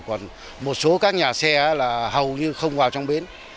còn một số các nhà xe là hầu như không vào trong bến